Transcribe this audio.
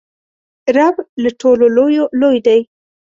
رب له ټولو لویو لوی دئ.